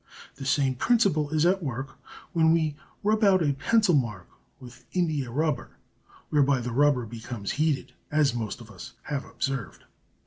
The same principle is at work when we rub out a pencil mark with india rubber, whereby the rubber becomes heated, as most of us have observed.